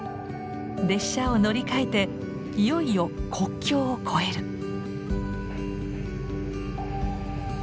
列車を乗り換えていよいよ国境を越える。